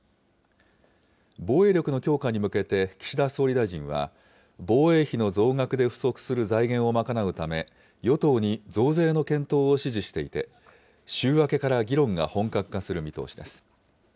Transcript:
防衛力の強化に向けて岸田総理大臣は、防衛費の増額で不足する財源を賄うため、与党に増税の検討を指示していて、週明けから議論が本格化する見通しです。